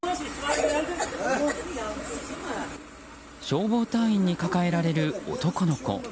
消防隊員に抱えられる男の子。